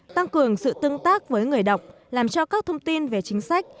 tăng cường sự tương tác với người đọc làm cho các thông tin về chính sách